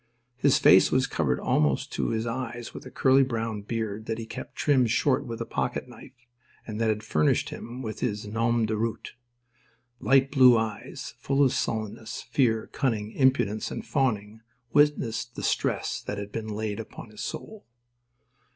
His face was covered almost to his eyes with a curly brown beard that he kept trimmed short with a pocket knife, and that had furnished him with his nom de route. Light blue eyes, full of sullenness, fear, cunning, impudence, and fawning, witnessed the stress that had been laid upon his soul.